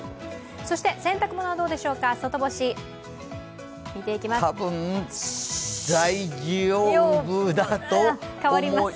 そして洗濯物はどうでしょうか外干し見ていきます。